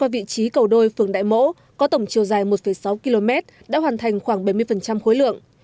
vị trí cầu đôi phường đại mỗ có tổng chiều dài một sáu km đã hoàn thành khoảng bảy mươi khối lượng